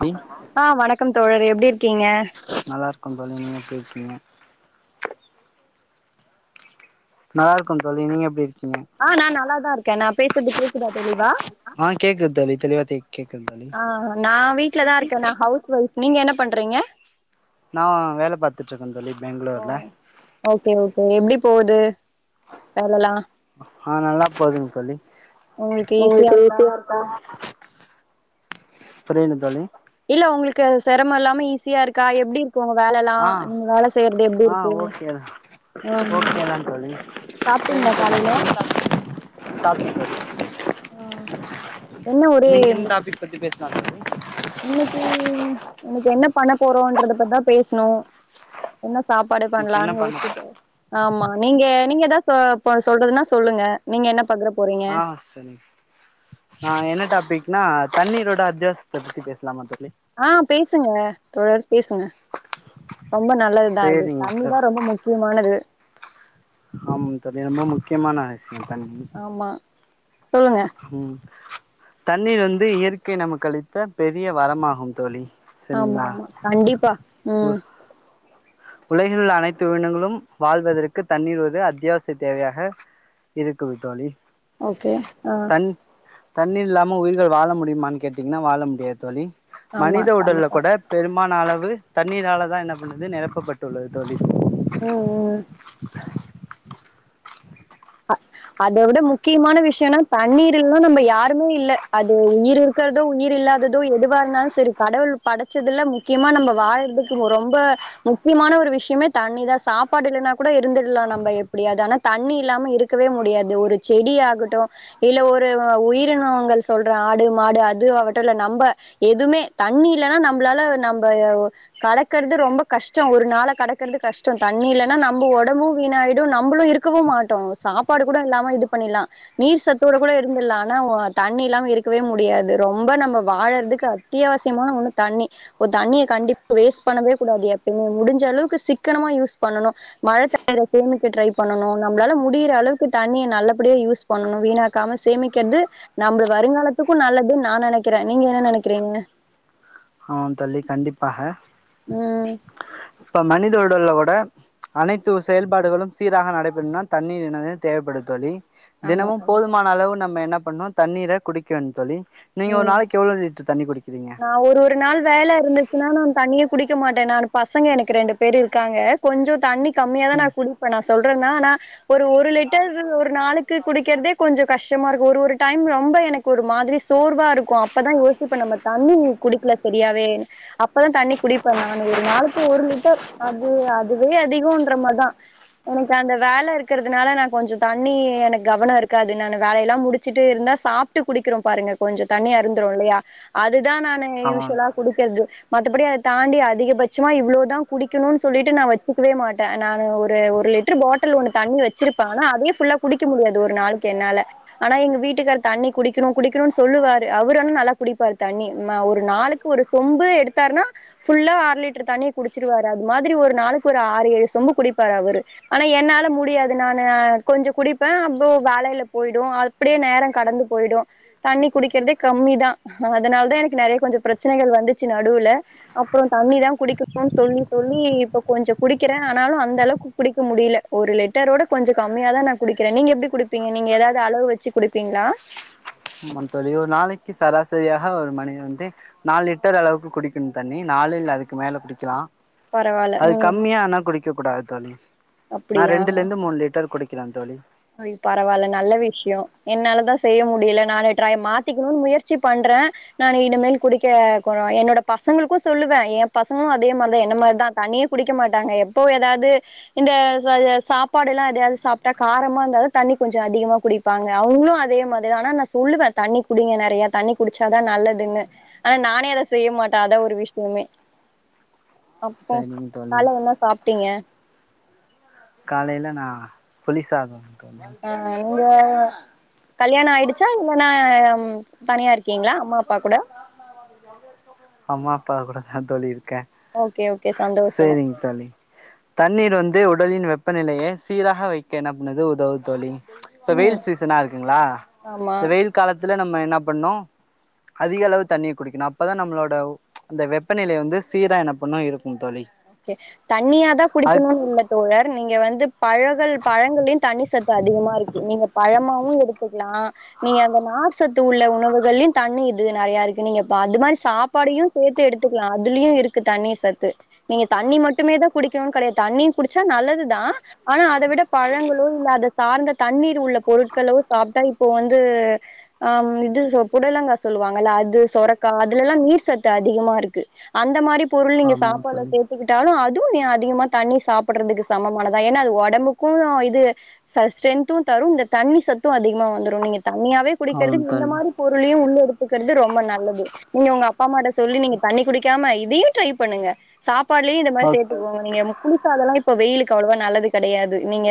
ம் ஆ வணக்கம் தோழரே எப்டி இருக்கீங்க நல்லா இருக்கோ ப நீங்க எப்டி இருக்கீங்க நல்லா இருக்கோ தோழி நீங்க எப்டி இருக்கீங்க ஆ நா நல்லாதா இருக்கே நா பேசுறது கேக்குதா தெளிவா ஆ கேக்குது தோழி தெளிவா தே கேக்குது தோழி ஆ நா வீட்லதா இருக்கே நா ஹவுஸ் ஒய்ஃப் நீங்க என்ன பண்றீங்க நான் வேல பாத்துட்டு்ருக்கே தோழி ஓ பெங்களூர்ல ஓகே ஓகே எப்டி போகுது வேலலாம் ஆ நல்லா போகுதுங்க தோழி ஈஸியா உங்களுக்கு இருக்கா [unintelligible] பிரேண்டு தோழி இல்ல உங்களுக்கு அது சிரம இல்லாம ஈஸியா இருக்கு அக்கா எப்டி இருக்கு உங்க வேல எல்லா ஆ நீங்க வேல செய்யறது எப்டி இருக்கு ம் ஓகேதா தோழி [unintelligible] சாப்ட்டீங்களா காலைல சாரிக ஆ என்ன ஒரே நீங்க என்ன டாபிக் பத்தி பேசின இன்னைக்கி எனக்கு என்ன பண்ண போறோன்றத பத்திதா பேசணு என்ன சாப்பாடு இன்னைக்கு என்ன பண்ணலான்னு பண்ண யோசிச்சுட்டு ஆமா நீங்க நீங்க எதா சொல்றதுன்னா சொல்லுங்க நீங்க என்ன பாக்குறப் ஆ சரி ஆ என்ன டாபிக்னா தண்ணீரோட அத்தியாவசத்தை பத்தி பேசலாமா தள்ளி ஆ பேசுங்க தோழர் பேசுங்க ரொம்ப நல்லதுதா அது சேரிங்க தண்ணிதா தோழி ரொம்ப முக்கி கியமானது ஆமாங் தோழி ரொம்ப முக்கியமான விஷ்யோ தண்ணி ஆமா சொல்லுங்க ம் தண்ணீ வந்து இயற்கை நமக்கு அளித்த பெரிய வரமாகும் தோழி ஆமா சரிங்களா ஆமா கண்டிப்பா ம் [inaudible] உலகில் உள்ள அனைத்து உயினங்களும் வாழ்வதற்கு தண்ணீர் ஒரு அத்தியாவசிய தேவையாக இருக்கும் தோழி ஓகே ஆ தண் தண்ணீர் இல்லாம உயிர்கள் வாழ முடியுமானு கேட்டீங்கன்னா வாழ முடியாது தோழி ஆமா மனித உடல்ல கண்டிப்பா கூட பெருமான அளவு தண்ணீரால தா என்ன பண்ணுது நெரப்பப்பட்டுள்ளது தோழி ம் ம் அ அத விட முக்கியமான விஷ்யனா தண்ணீர் இல்னா நம்ப யாருமே இல்ல அது உயிரு இருக் க்கறதோ உயிர் இல்லாததோ எதுவா இருந்தாலு சரி கடவுள் படைச்சதுல முக்கியமா நம்ம வாழ்றதுக்கு ரொம்ப முக்கியமான ஒரு விஷ்யமே தண்ணி தா சாப்பாடு இல்லன்னா கூட இருந்துட்லா நம்ப எப்டியாது ஆனா தண்ணி இல்லாம இருக்கவே முடியாது ஒரு செடி ஆகட்டு இல்ல ஒரு உயிரினங்கள் சொல்ற ஆடு மாடு அது ஆகட்டு இல்ல நம்ப எதுமே தண்ணி இல்லனா நம்ளால நம்ம ய ஒ கடக்கறது ரொம்ப கஷ்டோ ஒரு நாள கடக்கறது கஷ்டோ தண்ணி இல்லனா நம்ப ஒடம்பு வீணாயி டு நம்பளு இருக்கவு மாட்டோ சாப்பாடு கூட இல்லாம இது பண்ணில்லா நீர் சத்தோட கூட இருந்துல்லா ஆனா தண்ணி இல்லாம இருக்கவே முடியாது ரொம்ப நம்ப வாழ்றதுக்கு அத்தியவசியமான ஒன்னு தண்ணி ப்போ தண்ணிய கண்டிப்பா வேஸ்ட் பண்ணவே கூடாது எப்பமே முடிஞ்ச அளவுக்கு சிக்கனமா யூஸ் பண்ணணு மழ தண் [inaudible] சேமிக்க ட்ரை பண்ணனு நம்ளால முடியுற அளவுக்கு தண்ணிய நல்லபடியா யூஸ் பண்ணணு வீணாக்காம சேமிக்றது நம்ப வருங்காலத்துக்கு நல்லதுன் நா நெனைக்குற நீங்க என்ன நெனைக்கிறீங்க ஆமாம் தோழி கண்டிப்பாக ம் இப்ப மனித உடல்ல கூட அனைத்து செயல்பாடுகளு சீராக நடைபெறுனா தண்ணீ [unintelligible] தேவைப்படு தோழி ஆமா தினமும் கண்டிப்பா போதுமான அளவு நம்ம என்ன பண்ணோ தண்ணீர குடிக்கணு தோழி நீங்க ம் ஒரு நாளைக்கு எவ்ளோ லிட்ரு தண்ணி குடிக்கிறீங்க ரெண்டு நாள் வேல இருந்துச்சுன்னா நா தண்ணியே குடிக்க மாட்டே நானு பசங்க எனக்கு ரெண்டு பேரு இருக்காங்க கொஞ்சோ தண்ணி கம்மியா தா நா ம் குடிப்பே நா சொல்றனா ஆனா ஒரு ஒரு ஒரு லிட்டர் ஒரு நாளுக்கு குடிக்கிறதே கொஞ்சோ கஷ்டமா இருக்கு ஒரு ஒரு டைம் ரொம்ப எனக்கு ஒரு மாதிரி சோர்வா ர் வா இருக்கு அப்பதா யோசிப்பே நம்ப தண்ணி குடிக்கல சரியாவே அப்பதா தண்ணி குடிப்பே நானு ஒரு நாளுக்கு ஒரு லிட்டர் அது அதுவே அதிகோன்ற மாரிதா எனக்கு அந்த வேல இருக்கிறதுனால நா கொஞ்சோ தண்ணி எனக் கவனோ இருக்காது நா அந்த வேலைலா முடிச் ச்சுட்டு இருந்தா சாப்ட்டு குடிக்குறோ பாருங்க கொஞ்ச தண்ணி அருந்துறோ இல்லையா அதுதா நானு ஆமா யூஷுவலா குடிக்கர்து மத்தபடி அத தாண்டி அதிகபட்சமா இவ்ளோ தா குடிக்கணு சொல்லிட்டு நா வச்சக்கவே மாட்டே நானு ஒரு ஒரு லிட் ட்ரு பாட்டில் ஒன்னு தண்ணி வச்சிருப்பே ஆனா அதே ஃபுல்லா குடிக்க முடியாது ஒரு நாளைக்கு என்னால ஆனா எங் வீட்டுக்காரு தண்ணி குடிக்கிணு குடிக்கிணு சொல் சொல்லுவாரு அவுரு ஆனா நல்லா குடிப்பாரு தண்ணி ம ஒரு நாளுக்கு ஒரு சொம்பு எடுத்தாருன்னா ஃபுல்லா அர லிட்ரு தண்ணிய குடிச்சிருவாரு அது மாதிரி ஒரு நாளைக்கு ஒரு ஆறு ஏழு சொம்பு குடிப்பாரு அவுரு ஆனா என்னால முடியாது நானுஆத் கொஞ்சு குடிப்ப அப்போ வேலைய்ல போய்டு ஆத் ப்டியே நேர கடந்து போய்டு தண்ணி குடிக்கெற்தே கம்மி தா அதனால்தா எனக்கு நறைய கொஞ்சு ப்ரச்சனைகள் வந்துச்சு நடுவ்ல அப்றோ தண்ணி தா குடிக்கணு சொல்லி சொல்லி இப்ப கொஞ்சோ குடிக்கிறே ஆனாலு அந்தளவ்க்கு புடிக்க முடில ஒரு லெட்டரோட கொஞ்ச கம்மியா தா நா குடிக்கற நீங்க எப்டி குடுப்பீங்க நீங்க ஏதாவ்து அளவு வச்சு குடிப்பீங்களா ஆமான் தோழி ஒரு நாளக்கி சராசரியாஹ ஒரு மணி வந்து நால் லிட்டர் அளவுக்கு குடிக்குண் தண்ணி நாலு இல்ல அதுக்கு மேல குடிக்கலா பரவால்ல அது ம் கம்மியா ஆனா குடிக்க கூடாத் தோழி நா அப்டியா ரெண்டுலந்து மூண் லிட்டர் குடி கிலா தோலி அய் பரவால்ல நல்ல விஷ்யோ என்னாலதா செய்ய முடியல நானு ட்ரைம் மாத்திக்கிணு முயற்சி பண்ற நானு இனமேல் குடிக்க கொரோ என்னோட பசங்ளுக்கு சொல்லுவ எ பசங்ளு அதே மார்தா என்ன மார்தா தண்ணித் குடிக்க மாட்டாங்க எப்போ ஏதாது இந்த ச ய சாப்பாடெல்லா எதையாது சாப்ட்டா காரம் மா இந்தாத தண்ணி கொஞ்ச அதிகமா குடிப்பாங்க அவ்ங்ளு அதே மாதிதா ஆனா நா சொல்லுவ தண்ணி குடிங்க நெறைய தண்ணிக் குடிச்சாதா நல்லதுன்னு ஆ நானே அத செய்ய மாட்ட அதா ஒரு விஷ்னுமே அப்போ சரிங்க தோழி கால்ல என்னா சாப்ட்டீங்க காலையில நா புலிசாதம் கோனே கல்யாண ஆய்டுச்சா இல்லன்னா யம் அம்மா அப்பா கூடஹா தோழி இருக்கே ஓகே ஓகே சந்தோஷோ தலி தண்ணீர் வந்து உடலின் வெப்பநிலையே சீராக வைக்க எனா பன்னுது உதவு தோழி ப்ப வெயில் ம் சீசனா இருக்குங்ளா ஆமா இந்த வெயில் காலத்துல நம்ம என்ன பண்ணோ அதிக அளவு தண்ணீ குடிக்கணு அப்பதா நம்ளோடவ் அந்த வெப்பநிலை வந்து சீரா என்ன பண்ணு இருக்கும் தோழி ஓகே தண்ணியாதா அத் குடிப்பணுனு இல்ல தோழர் நீங்க வந்துப் பழகல் பழங்கள்யு தண்ணி சத்து அதிகமா ருக்கு நீங்க பழமாவு எடுத்துக்லா நீங்க அந்த நார் சத் தூள்ள உணவுகள்ளி தண்ணி இது நறையா இருக்கு நீங்க பாத்து மாரி சாப்பாடையு சேத்து எடுத்துக்லா அதுலுயு இர் க்கு தண்ணி சத்து நீங்க தண்ணி மட்டுமே தா குடிக்கணுன் கடையா தண்ணி குடிச்சா நல்லதுதா ஆனா அத விட பழங்களுல்ல அத சார்ந்த தண்ணீர் உள்ள பொருட்களோ சாப்ட்டா இப்போ வந்து ஆம் இது சொ புடலங்கா சொல்லுவாங்கல்ல அது சொரக்கா அதுலல்லா நீர் சத்து அதிகமாருக்கு அந்த மாரி பொருள் நீங்க ஆமாம் சாப்பாலஸ் தோழி ஒத்துக்கிட்டாலு அதுவு நீ அதிகமா தண்ணி சாப்பட்றதுக்கு சமமானதா ஏன்னா அது ஒடம்புக்கு ஆ இது சஸ் ஸ்ட்ரென்த்து தரு இந்த தண்ணி சத்து அதிகமா வந்துரு நீங்க தண்ணியாவே குடிக்கெற்து ஆமாம் இந்த தோழி மாரி பொருளையு உள்ள எடுத்துக்குற்து ரொம்ப நல்லது நீங்க உ அப்பாம்மாட்ட சொல்லி நீங்க தண்ணி குடிக்காம இதியு ட்ரை பண்ணுங்க சாப்பாட்லி இந்த மாரி ஓக் சேத் [inaudible] நீங்க புளிசாதல்லா இப்ப வெயிலுக்கு அவ்ளவா நல்லது கெடையாது நீங்க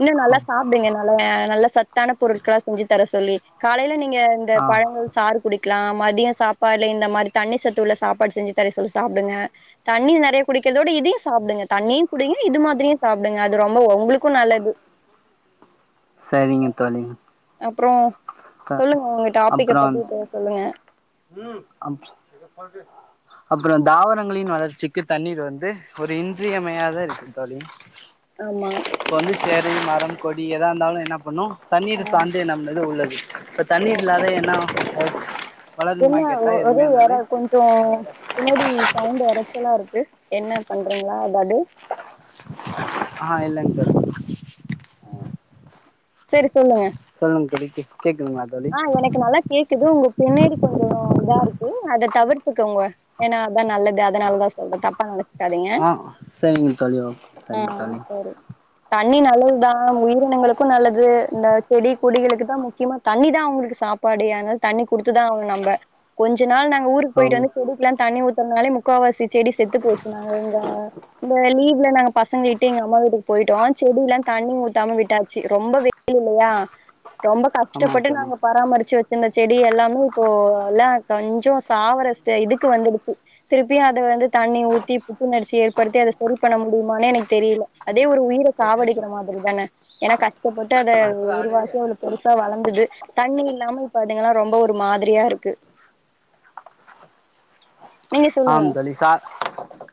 இன்னு ஆ நல்லா சாப் குடுங்க நல்ல நல்லா சத்தான பொருள்க்களா செஞ்சு தர சொல்லி காலையில நீங்க இந்த ஆ பழங்கள் சாறு குடிக்லா மதிய சாப்பாட்ல இந்த மாரி தண்ணி சத்து உள்ள சாப்பாட் செஞ்சி தர சொல்லி சாப்டுங்க தண்ணி நறையா குடிக்கிறதோட இதையு சாப்டுங்க தண்ணியி குடிங்க இது மாதிரியு சாப்டுங்க அது ரொம்பவ் உங்ளுக்கு நல்லது சரிங்க தொழி அப்றோ சொல்லுங்க உங்க டாபிக்க பத்தி பேர் சொல்லுங்க உம் [unintelligible] அப்பறான் தாவாரங்களின் வளர்ச்சிக்கி தண்ணீர் வந்து ஒரு இன்றியமையாதாருக்கு தோழி ஆமா இப்ப வந்து செரி மரம் கொடி ஏதா இந்தாலு என்னா பண்ணு தண்ணீர ஆ சாந்தே நம்ம இது உள்ளது தண்ணிர் இல்லாத என் ஆவு என்ன ஆவு அது வேற கொஞ்சோ பினாடி சவுண்டு வேற சுலா ருக்கு என்ன பண்றீங்களா பட்டே ஆ இல்லங் [unintelligible] செரி சொல்லுங்க சொல்லுங்க படி கேக்குதுங்ளா ஆ எனக் நல்லா கேக்குது உங்க பின்னாடி கொஞ்சோ இதா இருக்கு அத தவிர்த்துதங்க உங்க ஏனா அத்தா நல்லது அதனாலதா சொல்ற தப்பா நெனச் த்தாதிங்க ஆ சரிங்க தோழி ஓகே ஆ சரிங்க தோழி சரி தண்ணி நல்லது தா உயிரினங்களுக்கு நல்லது இந்த செடி குடிகளுக்கு தா முக்கியமா தண்ணி தா அவுங்ளுக்கு சாப்பாடே அதனால தண்ணி குடுத்துதா ஆவுனு நம்ப கொஞ்ச நாள் நாங்க ஊருக் ஆ போயிட்டு வந்து செடிக்லா தண்ணி ஊத்தனாலே முக்காவாசி செடி செத்து போச்சி நாங்க இந்த லீவ்ல நாங்க பசங்க கிட்டே எங்க அம்மா வீட்டுக்கு போயிட்டோ செடி எல்லா தண்ணி ஊத்தாம விட்டாச்சி ரொம்ப வெ இல்லயா ரொம்ப ஆமாங்க கஷ்டப்பட்டு தோழி நாங்க பராமரிச்சி வச்சு இந்த செடி எல்லாமே இப்போ எல்லா கொஞ்ஜோ சாவர இதுக்கு வந்துடுச்சி திருப்பியு அத வந்து தண்ணி ஊத்தி புத்துணரிச்சி ஏற்படுத்தி அத சரி பண்ண முடியுமானே எனக்கு தெரியல அதே ஒரு உயிர சாவடிக்கிற மாதிரி தன ஏனா கஷ்டப்பட்டு அத உருவாக்கி அவ்ளோ பெருசா வளந்து க்து தண்ணி இல்லாம இப்ப அதுங்லா ரொம்ப ஒரு மாதிரியாருக்கு நீங்க ஆ சொல்லுங்க தலி சா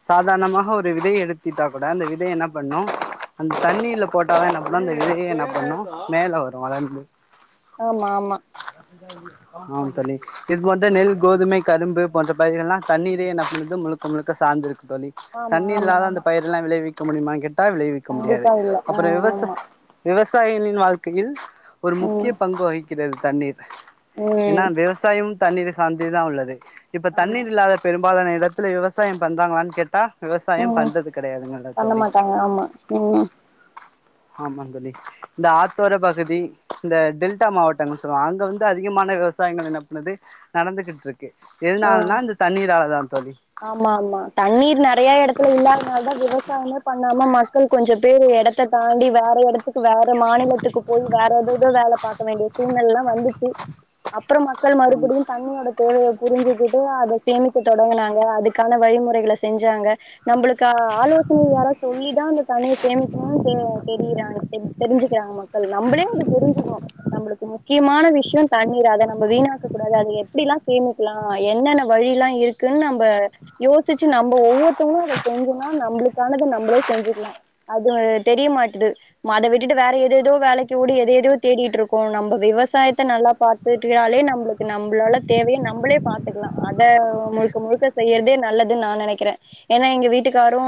சாதாரணமாக ஒரு விதை எடுத்திட்டா கூட அந்த விதை என்னா பண்ணு அந்த தண்ணீல போட்டாலா என்ன பண்ணு அந்த விதை என்ன பண்ணு மேல வரு அத வந்து ஆமா ஆமா ஆம் தலிக் இது போன்ற நெல் கோதுமை கரும்பு போன்ற பயிர்கள் எல்லா தண்ணீரே இன்னா பன்னுது முழுக்க முழுக்க சாந்திருக்கு தோழி ஆமா தண்ணீர் ஆமா இல்லாத அந்த ஆமா பயிர்லா விளைவிக்க முடியுமான் கேட்டா விளைவிக்க முடியாது கண்டிப்பா இல்ல அப்புற விவசா ஆ விவசாயிகளின் வாழ்க்கையில் ஒரு முக்கிய ஆமா பங்கு வகிக்கிறது தண்ணீர் ஏனா ம் ம் விவசாயமும் தண்ணீரை சார்ந்தே தா உள்ளது இப்ப ஆமா தண்ணீர் இல்லாத பெரும்பாலான இடத்துல விவசாயம் பண்றாங்களான் கேட்டா விவசாயம் ம் பண்றது கடையாதுங்க பண்ண தோழி மாட்டாங்க ஆமா ம் ஆமா தோழி இந்த ஆத்தோர பகுதி இந்த டெல்டா மாவட்டங்க சொல்லுவாங்க அங்க வந்து அதிகமான விவசாயங்க என்ன பண்ணுது நடந்துகிட்ருக்கு ஆ எதனால்னா இந்த தண்ணீரால தா தோழி ஆமா ஆமா தண்ணீர் நறைய எடத்துல இல்லாதனால தா விவசாயமே பண்ணாம மட் குனுகொஞ்ச பேர் எடத்த தாண்டி வேற எடத்துக் க்கு வேற மாநிலத்துக்கு போய் வேற ஏதேதோ வேல பாக்க வேண்டிய சூழ்நிலைலா வந்துச்சி அப்புற மக்கள் கண் மறுபடியும் தண்ணியோட தேவைய புரிஞ்சிகிட்டு அத சேமிக்க தொடங்கினாங்க அதுக்கான வழிமுறைகளை செஞ்சாங்க நம்ளுக்கு ஆலோசனை யாரா சொல்லிதா அந்த தண்ணிய சேமிக்கணு தெ தெரிறாங்க தெ தெரிஞ்சிக்றாங்க மக்கள் நம்ளே அத புரிஞ்சிகணு நம்மளுக்கு முக்கியமான விஷ்யோ தண்ணீர் அத நம்ம வீணாக்க கூடாது அத எப்டிலா சேமி லா என்னன்ன வழிலா இருக்குன் நமக் இப்ப யோசிச்சி நம்ம ஒவ்வொருதங்ளு அத செஞ்சினா நம்ளுக்கானத நம்மளே செஞ்க்ளா அது தெரிய மாட்டது மத விட்டுட்டு வேற எதேதோ வேலைக்கி ஓடி எதேதையோ தேடிட்ருக்கோ நம்ப விவசாயத்த நல்லா பாத் துகிட்டுகாலே நம்ளுக்கு நம்மளால தேவைய நம்பளே பாத்துக்லா அத முழுக்க முழுக்க செய்யறதே நல்லது நா நெனைக்கிறே ஏனா எங்க வீட்டுக்காரூ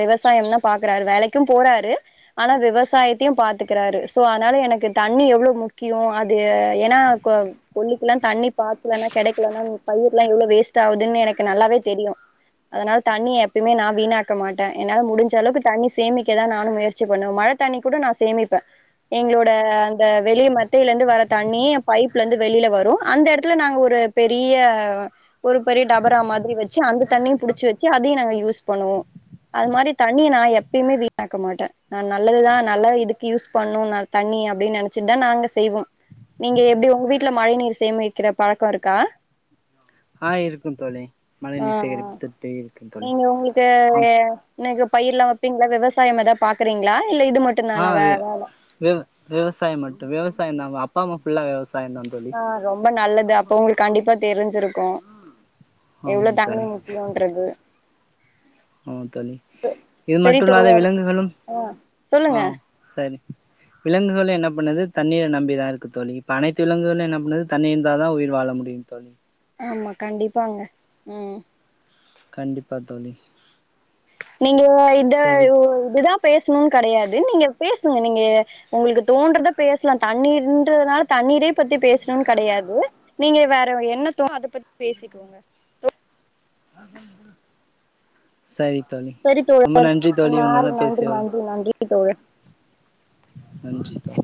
விவசாயந்தா பாக்குறாரு வேலைக்கு போறாரு ஆனா விவசாயத்யூ பாத்துக்குறாரு சோ அதனால எனக்கு தண்ணி எவ்ளோ முக்கியோ அது ஏனா கொ கொள்ளுக்லா தண்ணி பாத்லனா கெடைக்கலனா பயிர்லா எவ்ளோ வேஸ்ட் ஆவுதுன்னு எனக்கு நல்லாவே தெரியு அதுனால் தண்ணிய எப்பயுமே நா வீணாக்க மாட்டே என்னால முடிஞ்ச அளவுக்கு தண்ணி சேமிக்க தா நானு முயற்சி பண்ணுவே மழ தண்ணிக்கூட நா சேமிப்பே எங்ளோட அந்த வெளிய மத்தையில இருந்து வர தண்ணி பைப்ல இருந்து வெளியில வரு அந்த எடத்துல நாங்க ஒரு பெரிய்ய ஒரு பெரிய டபரா மாதிரி வச்சி அந்த தண்ணியு புடிச்சி வ சி அதையு நாங்க யூஸ் பண்ணுவோ அது மாரி தண்ணிய நா எப்பயுமே வீணாக்க மாட்டே ந நல்லதுதா நல்லா இதுக்கு யூஸ் பண்ணூ நா தண்ணி அப்டின் நெனச்சிட் தா நாங்க செய்வோ நீங்க எப்டி உங்க வீட்ல மழை நீர் சேமிக்ற பழக்கோ இருக்கா ஆ இருக்கு தோழி ஆ மழைநீர் சேகரிப்பு தொட்டி இருக்கும் தோழி நீங்க உங்ளுக்கூ ஆம் அ னக்கு பயிர்லா வப்பிங்ளா விவசாயம் எதா பாக்குறீங்ளா இல்ல இது மட் ஆ வெ விவ் விவசாயோ மட்டு விவசாயந்தாங்க அப்பாம்மா ஃபுல்லா விவசாயந்தாங்க ஆ ரொம்ப நல்லது அப்பொ ஒங்ளுக் கண்டிப்பா தெரிஞ்சிருக்கூ எவ்ளோ ஆமாம் தண்ணி தோழி முக்கியோன்றது ஆ தண்ணி இது சரி மட்டுல்லாத தோழர் விலங்குகளும் ஆ ஆ சொல்லுங்க சரி விலங்குகளு என்னப் பண்ணுது தண்ணீர நம்பிதா இருக்கு தோழி இப்ப அனைத்து விலங்குகளு என்ன பண்ணது தண்ணி இருந்தாதா உயிர்வாழ முடி டியு தோழி ஆமா கண்டிப்பாங்க உம் கண்டிப்பா தோழி நீங்க இத சரி யு இததா பேசணூன் கெடையாது நீங்க பேசுங்க நீங்க உங்களுக்கு தோன்றத பேசலா தண்ணீருன்றதுனால தண்ணீரே பத்தி பேசணூன் கெடையாது நீங்க வேற என்னத்தோ அத பத்தி பேசிக்கோங்க அ சரி தோழி சரி ரொம்ப நன்றி தோழி தோழர் உங்களுடன் நன்றி பேசியோ நன்றி நன்றி தோழர் நன்றி தோ